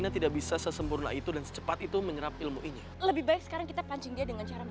baik kita temui alina dan kita bicara baik baik sama dia